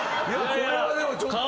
これはでもちょっと。